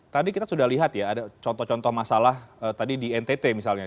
tadi kita sudah lihat ya ada contoh contoh masalah tadi di ntt misalnya